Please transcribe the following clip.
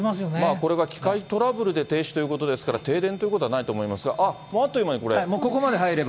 これは機械トラブルで停止ということですから、停電ということはないと思いますが、あっ、あっという間にこれ。